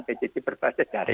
bcc berbasis dari